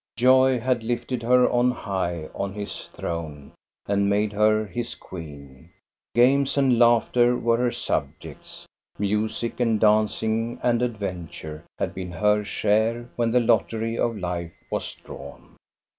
Joy had lifted her on high on his throne and made her his queen. Games and laughter were her subjects. Music and dancing and adventure had been her share when the lottery of life was drawn.